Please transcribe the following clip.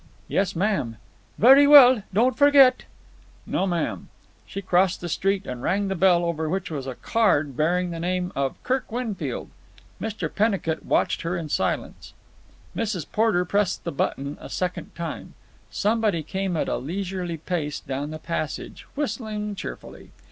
"Yes, ma'am." "Very well. Don't forget." "No, ma'am." She crossed the street and rang the bell over which was a card hearing the name of "Kirk Winfield". Mr. Pennicut watched her in silence. Mrs. Porter pressed the button a second time. Somebody came at a leisurely pace down the passage, whistling cheerfully.